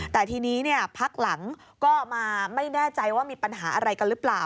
แต่ทีนี้พักหลังก็มาไม่แน่ใจว่ามีปัญหาอะไรกันหรือเปล่า